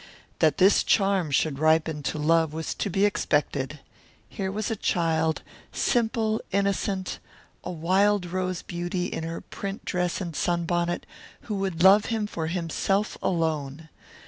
That this charm should ripen to love was to be expected. Here was a child, simple, innocent, of a wild rose beauty in her print dress and sunbonnet, who would love him for himself alone.